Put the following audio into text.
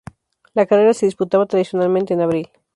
La carrera se disputaba tradicionalmente en abril.